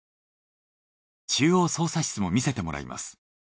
中央操作室も見せてもらいます。